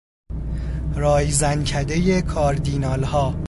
رایزنکدهی کاردینالها